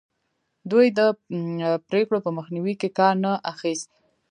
دوی د پرېکړو په مخنیوي کې کار نه اخیست.